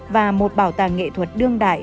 và một bảo tàng nghệ thuật đương đại